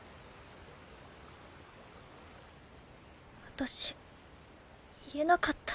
私言えなかった。